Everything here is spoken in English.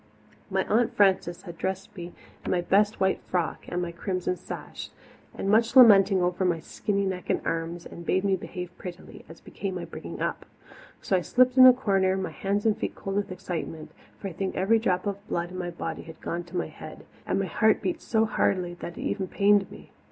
My Aunt Frances had dressed me in my best white frock and my crimson sash, with much lamenting over my skinny neck and arms, and bade me behave prettily, as became my bringing up. So I slipped in a corner, my hands and feet cold with excitement, for I think every drop of blood in my body had gone to my head, and my heart beat so hardly that it even pained me.